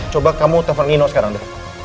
coba kamu telpon nino sekarang deh